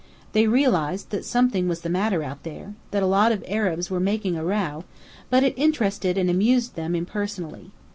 They realized that something was the matter out there, that a lot of Arabs were making a row; but it interested and amused them impersonally.